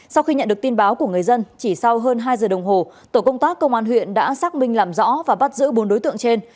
sau khi nhận được tin báo của người dân chỉ sau hơn hai giờ đồng hồ tổ công tác công an huyện đã xác minh làm rõ và bắt giữ bốn đối tượng trên